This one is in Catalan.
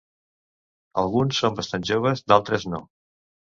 Alguns són bastant joves, d'altres no.